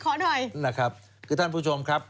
คุณผู้ชมนะครับคือท่านผู้ชมครับ